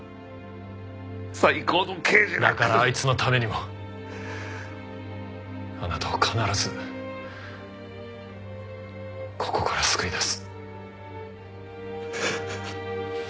だからあいつのためにもあなたを必ずここから救い出す。